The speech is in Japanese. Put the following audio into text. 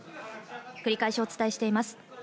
繰り返しお伝えしています。